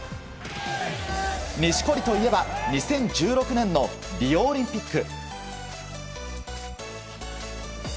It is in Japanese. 錦織といえば２０１６年のリオオリンピック。